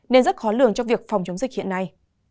nên rất khó lường cho việc phòng chống dịch hiện nay